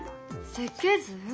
設計図？